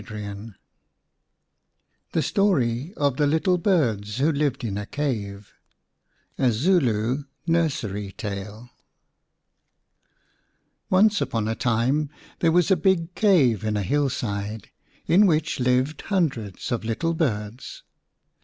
27 Ill THE STORY OF THE LITTLE BIRDS WHO LIVED IN A CAVE A ZULU NURSERY TALE ONCE upon a time there was a big cave in a hillside, in which lived hundreds of little birds.